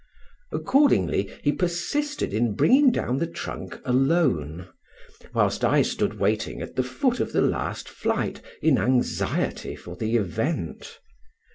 Accordingly he persisted in bringing down the trunk alone, whilst I stood waiting at the foot of the last flight in anxiety for the event.